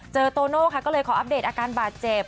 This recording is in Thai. โตโน่ค่ะก็เลยขออัปเดตอาการบาดเจ็บ